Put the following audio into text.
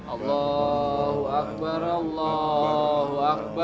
allahu akbar allahu akbar